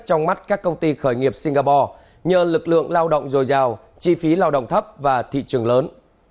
trong mắt các công ty khởi nghiệp singapore nhờ lực lượng lao động dồi dào chi phí lao động thấp và thị trường lớn